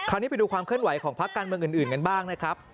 ไปดูความเคลื่อนไหวของพักการเมืองอื่นกันบ้างนะครับ